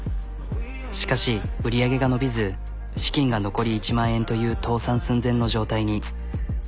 しかし売り上げが伸びず資金が残り１万円という倒産寸前の状態に。